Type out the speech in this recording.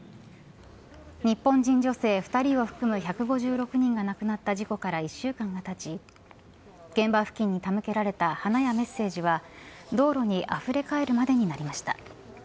日本人女性２人を含む１５６人が亡くなった事故から１週間がたち現場付近に手向けられた花やメッセージは道路に、あふれ返るまでになりました。